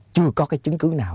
chưa có cái chứng cứ nào